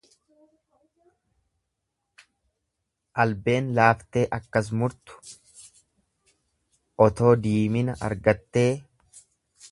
Albeen laaftee akkas murtu, otoo diimina argattee.